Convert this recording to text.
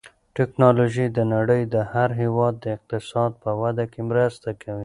تکنالوژي د نړۍ د هر هېواد د اقتصاد په وده کې مرسته کوي.